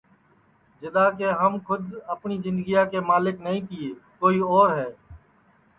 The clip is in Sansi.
جِدؔا کہ ہم کھود اپٹؔی جِندگیا کے ملک نائی تیے کوئی اور ہے